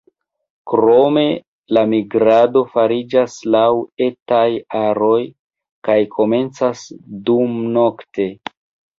Krome la migrado fariĝas laŭ etaj aroj kaj komencas dumnokte.